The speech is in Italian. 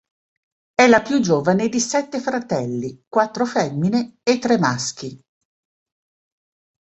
È la più giovane di sette fratelli, quattro femmine e tre maschi.